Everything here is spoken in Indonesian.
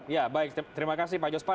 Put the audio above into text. ya baik terima kasih pak jospan